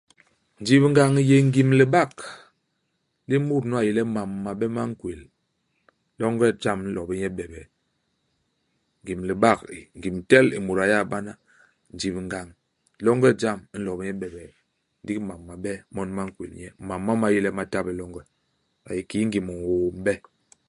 Njibngañ i yé ngim i libak li mut nu a yé le mam mabe ma nkwél. Longe i jam i nlo bé nye bebee. Ngim i libak i ; ngim kel i mut a yé a bana. Njibngañ. Longe i jam i nlo bé nye bebee, ndigi mam mabe mon ma nkwél nye. Mam ma ma yé le ma ta bé longe. A yé kiki ngim ñôô m'be.